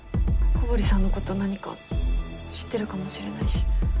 古堀さんの事何か知ってるかもしれないし。